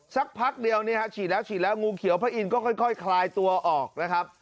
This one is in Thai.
สักพักเดียวนี่ฮะฉีดแล้วฉีดแล้วงูเขียวพระอินทร์ก็ค่อยคลายตัวออกนะครับ